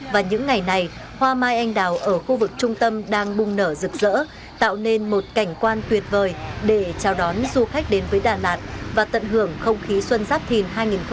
và những ngày này hoa mai anh đào ở khu vực trung tâm đang bùng nở rực rỡ tạo nên một cảnh quan tuyệt vời để chào đón du khách đến với đà lạt và tận hưởng không khí xuân giáp thìn hai nghìn hai mươi bốn